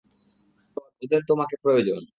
ওদের তোমাকে প্রয়োজন!